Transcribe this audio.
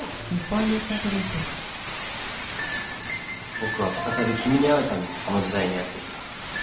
僕は再び君に会うためにこの時代にやって来た。